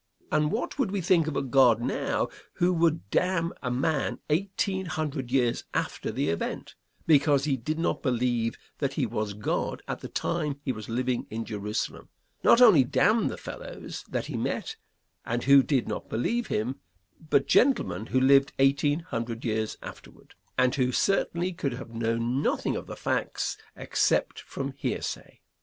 And what would we think of a God now who would damn a man eighteen hundred years after the event, because he did not believe that he was God at the time he was living in Jerusalem; not only damn the fellows that he met and who did not believe him, but gentlemen who lived eighteen hundred years afterward, and who certainly could have known nothing of the facts except from hearsay?